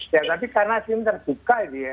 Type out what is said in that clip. ya tapi karena sim terbuka gitu ya